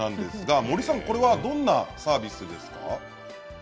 これはどんなサービスですか？